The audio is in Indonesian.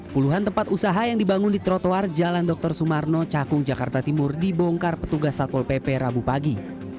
puluhan tempat usaha yang dibangun di trotoar jalan dr sumarno cakung jakarta timur dibongkar petugas satpol pp rabu pagi